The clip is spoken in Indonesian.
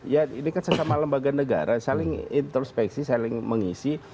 ya ini kan sesama lembaga negara saling introspeksi saling mengisi